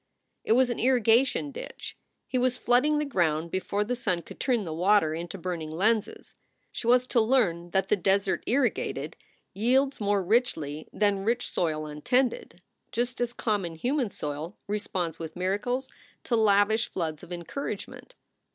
It was an irrigation ditch. He was flooding the ground before the sun could turn the water into burning lenses. She was to learn that the desert irrigated yields more richly than rich soil untended ; just as common human soil responds with miracles to lavish floods of encouragement.